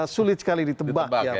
sulit sekali ditebak ya